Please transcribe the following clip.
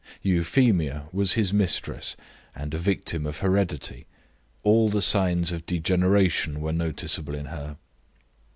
Euphemia was his mistress, and a victim of heredity; all the signs of degeneration were noticeable in her.